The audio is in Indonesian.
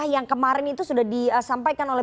yang kemarin itu sudah disampaikan oleh